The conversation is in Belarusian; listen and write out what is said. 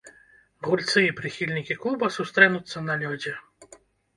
Гульцы і прыхільнікі клуба сустрэнуцца на лёдзе.